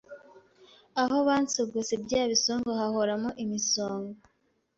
aho bansogose bya bisongo hahoramo imisonga,